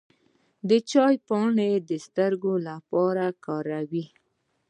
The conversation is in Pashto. د چای پاڼې د سترګو لپاره وکاروئ